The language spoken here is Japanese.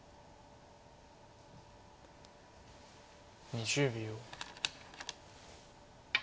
２０秒。